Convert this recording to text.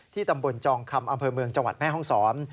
ตำบลจองคำอำเภอเมืองจังหวัดแม่ห้องศร